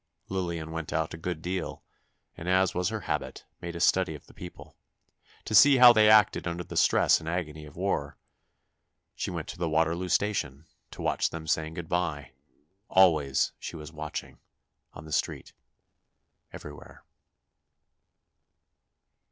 Lillian went out a good deal, and, as was her habit, made a study of the people ... to see how they acted under the stress and agony of war. She went to the Waterloo Station, to watch them saying good bye. Always she was watching ... on the street ... everywhere.